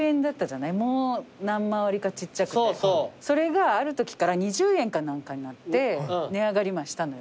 それがあるときから２０円か何かになって値上がりまぁしたのよ。